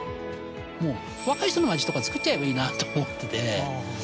もう若い人の街とかつくっちゃえばいいなと思ってて。